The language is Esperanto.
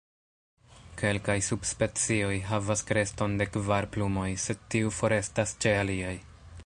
Kelkaj subspecioj havas kreston de kvar plumoj, sed tiu forestas ĉe aliaj.